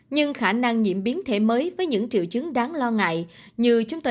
nhưng khả năng nhiễm biến thể mới với những triệu chứng đáng lo ngại